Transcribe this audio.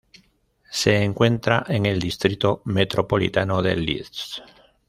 Se encuentra en el distrito metropolitano de Leeds.